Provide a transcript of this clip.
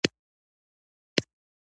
اسعار د بهرنۍ سوداګرۍ لپاره تبادله کېږي.